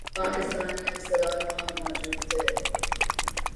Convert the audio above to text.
تو پاکستانی افسران وہاں موجود تھے۔